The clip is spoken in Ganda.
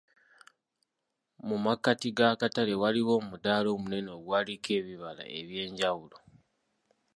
Mu makkati g'akatale waaliwo omudaala omunene ogwaliko ebibala eby'enjawulo.